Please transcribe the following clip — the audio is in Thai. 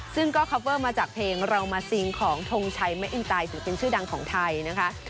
ซึ่งก็คอปเวอร์มาจากเพลงเรามาซิงของทงชัยมะอินไตศิลปินชื่อดังของไทยนะคะ